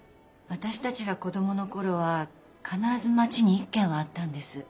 私たちが子どもの頃は必ず街に一軒はあったんです。